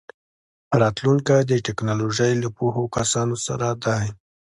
راتلونکی د ټیکنالوژۍ له پوهو کسانو سره دی.